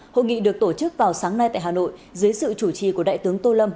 hội nghị được tổ chức vào sáng nay tại hà nội dưới sự chủ trì của đại tướng tô lâm